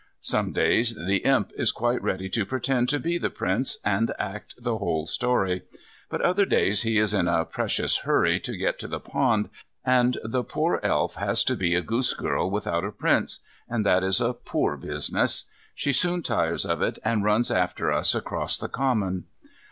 Some days the Imp is quite ready to pretend to be the Prince, and act the whole story. But other days he is in a precious hurry to get to the pond, and the poor Elf has to be a goosegirl without a Prince, and that is a poor business. She soon tires of it, and runs after us across the common.